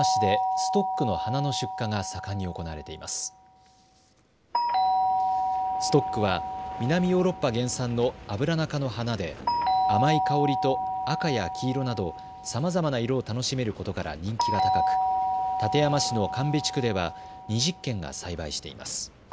ストックは南ヨーロッパ原産のアブラナ科の花で甘い香りと赤や黄色などさまざまな色を楽しめることから人気が高く館山市の神戸地区では２０軒が栽培しています。